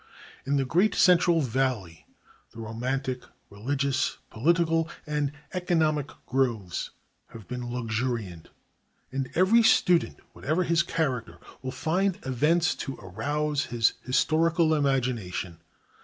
In the great central valley the romantic, religious, political, and economic growths have been luxuriant, and every student, whatever his character, will find events to arouse his historical imagination.